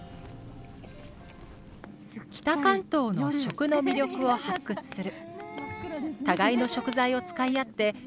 「北関東の食の魅力を発掘する」。